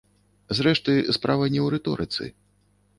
Зрэшты, справа не ў рыторыцы.